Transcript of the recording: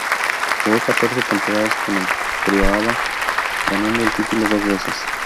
Jugó catorce temporadas con el Craiova, ganando el título dos veces.